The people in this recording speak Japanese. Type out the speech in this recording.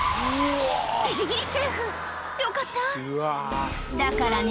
ギリギリセーフよかっただからね